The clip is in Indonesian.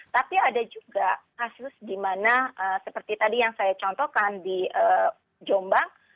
tapi ada juga kasus di mana seperti tadi yang saya contohkan di jombang